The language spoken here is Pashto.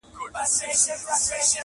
ښار د سوداګرو دی په یار اعتبار مه کوه!